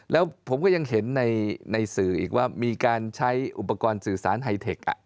แล้วผมก็ยังเห็นในสื่ออีกว่ามีการใช้อุปกรณ์สื่อสารไฮเทค